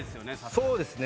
そうですね。